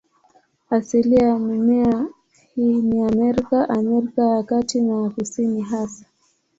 Asilia ya mimea hii ni Amerika, Amerika ya Kati na ya Kusini hasa.